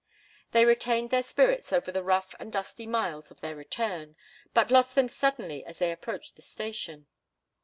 They retained their spirits over the rough and dusty miles of their return, but lost them suddenly as they approached the station.